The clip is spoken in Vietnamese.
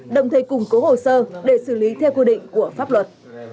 đồng thời củng cố hồ sơ để xử lý theo quy định của pháp luật